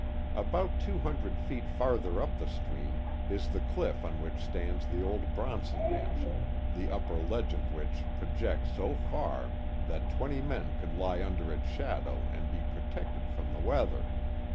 About two hundred feet farther up the stream is the cliff on which stands the old Bronson mansion, the upper ledge of wliich projects so far that twenty men could lie under its shadow and be protected from the weather.